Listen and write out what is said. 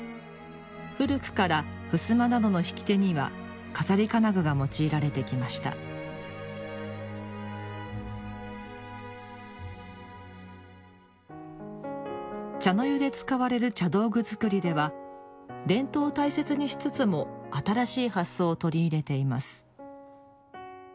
古くからふすまなどの引き手には錺金具が用いられてきました茶の湯で使われる茶道具作りでは伝統を大切にしつつも新しい発想を取り入れています。